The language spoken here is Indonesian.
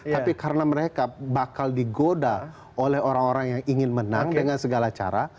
tapi karena mereka bakal digoda oleh orang orang yang ingin menang dengan segala cara